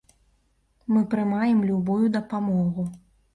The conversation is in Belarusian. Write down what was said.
Мы прымаем любую дапамогу.